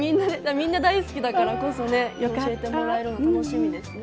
みんな大好きだからこそね教えてもらえるの楽しみですね。